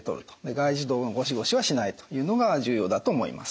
外耳道のゴシゴシはしないというのが重要だと思います。